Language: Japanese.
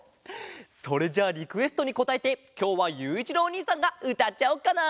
それじゃあリクエストにこたえてきょうはゆういちろうおにいさんがうたっちゃおっかな。